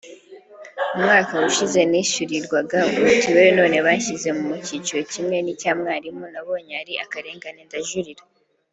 umwaka ushize nishyurirwaga mituweli none banshyize mu cyiciro kimwe n’icya mwarimu […] nabonye ari akarengane ndajurira